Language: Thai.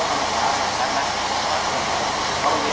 สวัสดีครับ